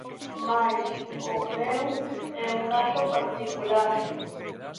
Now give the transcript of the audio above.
Mais o meu é un caso particular.